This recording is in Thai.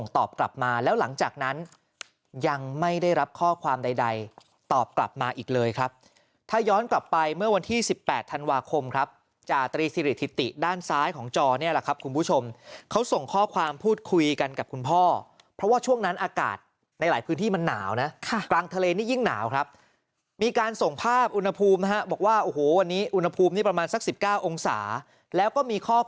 ตอนนี้แหละครับคุณผู้ชมเขาส่งข้อความพูดคุยกันกับคุณพ่อเพราะว่าช่วงนั้นอากาศในหลายพื้นที่มันหนาวนะค่ะกลางทะเลนี้ยิ่งหนาวครับมีการส่งภาพอุณหภูมินะฮะบอกว่าโอ้โหวันนี้อุณหภูมิประมาณสัก๑๙องศาแล้วก็มี